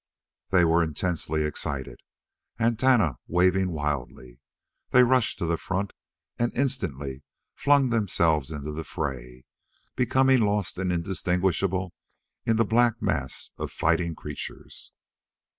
They were intensely excited. Antennae waving wildly, they rushed to the front and instantly flung themselves into the fray, becoming lost and indistinguishable in the black mass of fighting creatures.